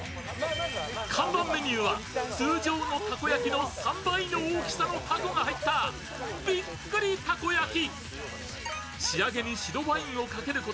看板メニューは通常の大きさの３倍のたこが入ったびっくりたこ焼き。